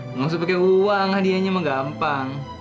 nggak usah pake uang hadianya mah gampang